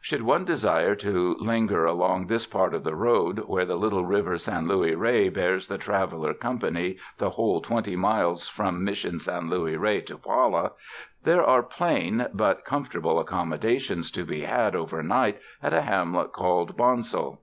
Should one desire to linger along this part of the road where the little river San Luis Rey bears the traveler company the whole twenty miles from Mis sion San Luis Rey to Pala, there are plain but com fortable accommodations to be had over night at a hamlet called Bonsall.